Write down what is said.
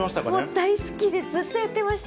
もう大好きで、ずっとやってました。